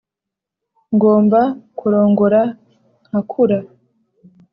ngomba kurongora nkakura